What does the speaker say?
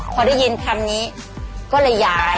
พอได้ยินคำนี้ก็เลยย้าย